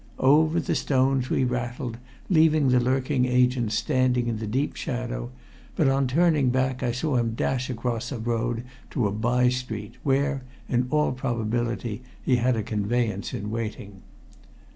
Over the stones we rattled, leaving the lurking agent standing in the deep shadow, but on turning back I saw him dash across the road to a by street, where, in all probability, he had a conveyance in waiting.